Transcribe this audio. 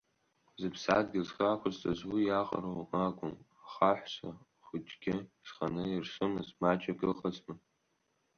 Зыԥсадгьыл зхы ақәызҵаз уи иаҟароу акәым, ахаҳәса хәҷыкгьы зханы иарсымыз маҷҩык ыҟазма.